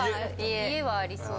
家はありそう。